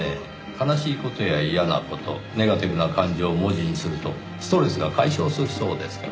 悲しい事や嫌な事ネガティブな感情を文字にするとストレスが解消するそうですから。